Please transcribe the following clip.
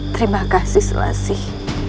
terima kasih selassie